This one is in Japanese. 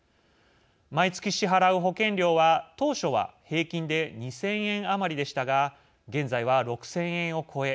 毎月支払う保険料は当初は平均で２０００円余りでしたが現在は６０００円を超え